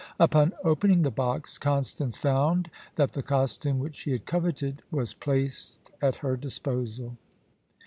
Upon opening the box, Constance found that the costume which she had coveted was placed at her disposal.